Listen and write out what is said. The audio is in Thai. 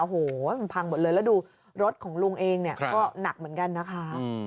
โอ้โหมันพังหมดเลยแล้วดูรถของลุงเองเนี่ยก็หนักเหมือนกันนะคะ